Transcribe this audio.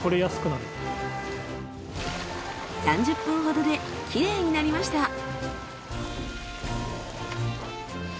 ３０分ほどできれいになりました。